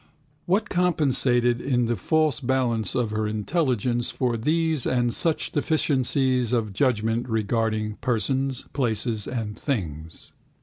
What compensated in the false balance of her intelligence for these and such deficiencies of judgment regarding persons, places and things?